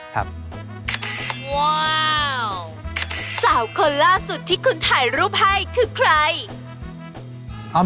ว้าวสาวคนล่าสุดที่คุณถ่ายรูปให้คือใคร